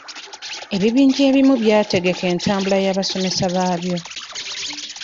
Ebibinja ebimu by'ategeka entambula y'abasomesa baabyo.